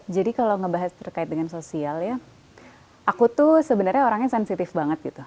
jadi kalau ngebahas terkait dengan sosial ya aku tuh sebenarnya orangnya sensitif banget gitu